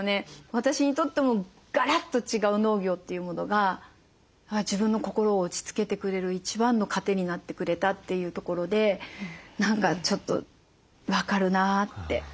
私にとってもガラッと違う農業というものが自分の心を落ち着けてくれる一番の糧になってくれたというところで何かちょっと分かるなって。